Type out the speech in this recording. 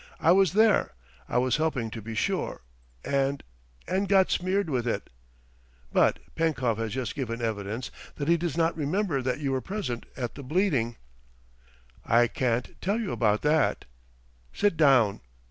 I was there; I was helping to be sure, and ... and got smeared with it. ..." "But Penkov has just given evidence that he does not remember that you were present at the bleeding. ..." "I can't tell about that." "Sit down."